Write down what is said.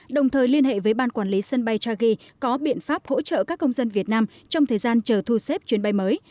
đồng thời liên hệ với ban quản lý sân bay chagi có biện pháp hỗ trợ các công dân việt nam trong thời gian chờ thu xếp chuyến bay mới